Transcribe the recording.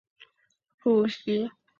他也是罗兴亚爱国障线的副主席。